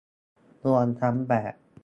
รวมทั้งแบบ